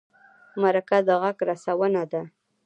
مرکه د غږ رسونه ده.